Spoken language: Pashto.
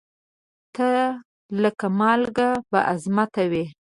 ته لکه مالکه بااعظمته وې